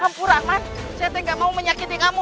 ampura aku tak mau menyakiti kamu